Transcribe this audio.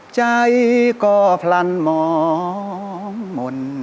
ใจก็พลันหมอ